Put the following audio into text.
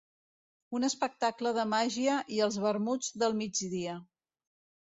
Un espectacle de màgia i els vermuts del migdia.